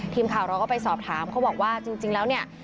ทีมข่าวเราก็ไปสอบถามเขาบอกว่าจริงแล้วเนี่ย